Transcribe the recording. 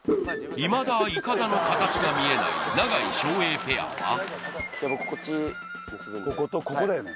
いまだイカダの形が見えない永井・照英ペアはじゃあ僕こっち結ぶんでこことここだよね？